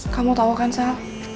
kamu tau kan sal